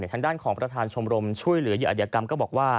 ทางด้านของประธานชมรมช่วยเหลือเหยื่ออัธยกรรมก็บอกว่า